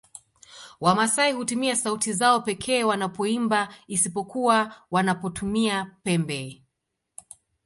Wamasai hutumia sauti zao pekee wanapoimba isipokuwa wanapotumia pembe